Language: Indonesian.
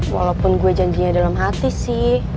walaupun gue janjinya dalam hati sih